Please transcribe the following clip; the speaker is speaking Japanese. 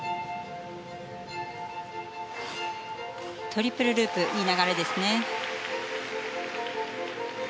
トリプルループいい流れですね。